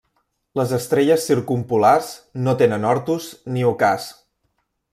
Les estrelles circumpolars no tenen ortus ni ocàs.